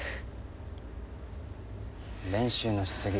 練習のし過ぎ。